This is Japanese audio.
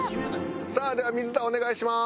さあでは水田お願いします！